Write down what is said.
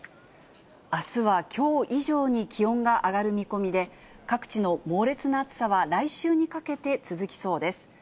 あすはきょう以上に気温が上がる見込みで、各地の猛烈な暑さは来週にかけて続きそうです。